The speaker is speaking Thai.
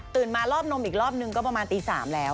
มารอบนมอีกรอบนึงก็ประมาณตี๓แล้ว